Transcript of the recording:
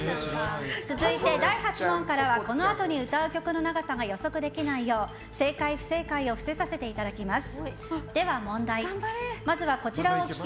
続いて第８問からはこのあとに歌う曲の長さが予測できないよう正解・不正解を伏せさせていただきます。